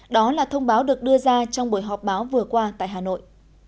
đó là thông báo được đưa ra trong buổi họp báo vừa qua tại hà nội